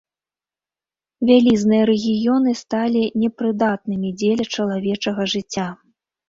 Вялізныя рэгіёны сталі непрыдатнымі дзеля чалавечага жыцця.